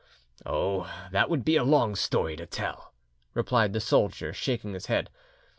"Oh, that would be a long story to tell," replied the soldier, shaking his head.